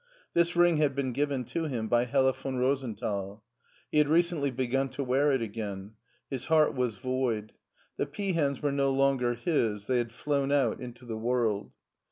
This ring had been given to him by Hella von Rosenthal. He had recently begun to wear it again. His heart was void. The peahens were no longer his ; they had flown out into the world.